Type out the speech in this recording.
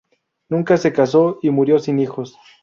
Nunca se casó y murió sin hijos.